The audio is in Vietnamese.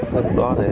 khớp đó thì